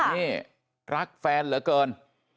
นี่รักแฟนเหลือเกิน